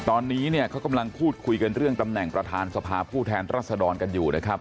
ตอนนี้เนี่ยเขากำลังพูดคุยกันเรื่องตำแหน่งประธานสภาผู้แทนรัศดรกันอยู่นะครับ